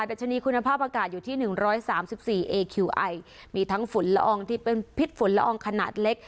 ดัชนีคุณภาพอากาศอยู่ที่หนึ่งร้อยสามสิบสี่เอคิวไอมีทั้งฝุ่นละอองที่เป็นพิษฝุ่นละอองขนาดเล็ก